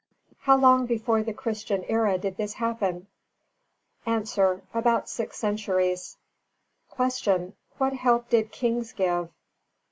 How long before the Christian era did this happen? A. About six centuries. 287. Q. _What help did Kings give?